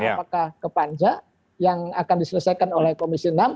apakah ke panja yang akan diselesaikan oleh komisi enam